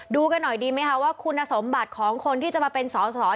ดูกันหน่อยน่ะว่าคุณสมบัติของคนที่จะมาเป็นสอน